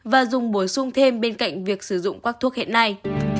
và dùng bổ sung thêm bên cạnh việc sử dụng các thuốc hiện nay